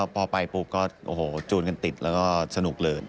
พอไปต้นไปติดมันสนุกเลย